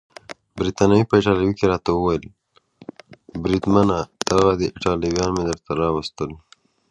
بریتانوي په ایټالوي کې راته وویل: بریدمنه دغه دي ایټالویان مې درته راوستل.